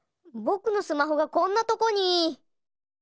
ぼくのスマホがこんなとこに！